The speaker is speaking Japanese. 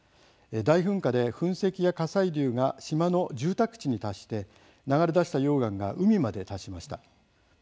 大噴火で、噴石や火砕流が島の住宅地に達して流れ出した溶岩が海まで達しました。